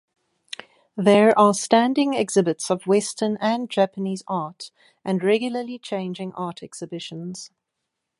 There are standing exhibits of Western and Japanese art and regularly changing art exhibitions.